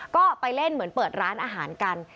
ก็ไปเล่นเหมือนเปิดร้านอาหารกัน